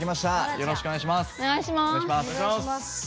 よろしくお願いします。